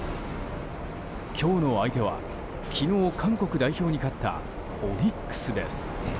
今日の相手は昨日、韓国代表に勝ったオリックスです。